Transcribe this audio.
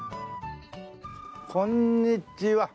こんにちは。